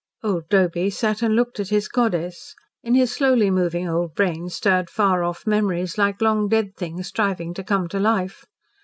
Old Doby sat and looked at his goddess. In his slowly moving old brain stirred far off memories like long dead things striving to come to life.